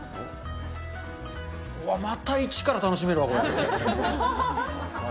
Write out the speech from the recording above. うわ、また一から楽しめるわ、これ。